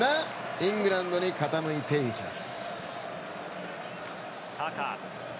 イングランドに傾いていきます。